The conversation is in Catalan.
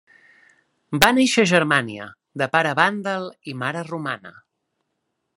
Va néixer a Germània, de pare vàndal i mare romana.